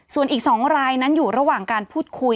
ส่วนอีก๒รายนั้นอยู่ระหว่างการพูดคุย